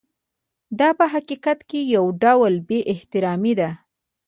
دا په حقیقت کې یو ډول بې احترامي ده.